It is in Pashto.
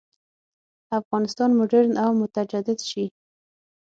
افغانستان مډرن او متجدد شي.